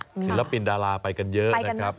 ศิลปินดาราไปกันเยอะนะครับ